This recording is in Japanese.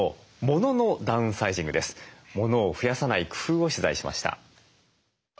モノを増やさない工夫を取材しました。